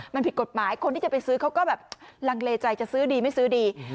มันผิดกฎหมายคนที่จะไปซื้อเขาก็แบบลังเลใจจะซื้อดีไม่ซื้อดี